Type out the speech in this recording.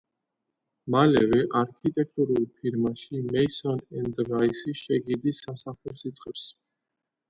მალევე არქიტექტურულ ფირმაში „მეისონ ენდ რაისი“ შეგირდის სამსახურს იწყებს.